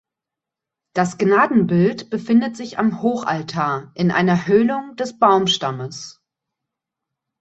Das Gnadenbild befindet sich am Hochaltar, in einer Höhlung des Baumstammes.